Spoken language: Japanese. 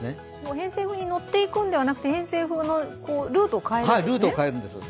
偏西風に乗っていくんではなくて、ルートを変えるんですね。